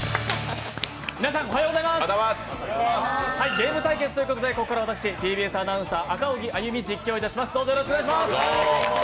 ゲーム対決ということでここからは私、ＴＢＳアナウンサー、赤荻歩が実況します。